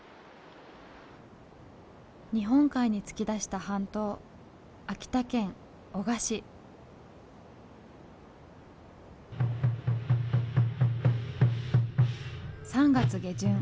日本海に突き出した半島秋田県男鹿市。３月下旬。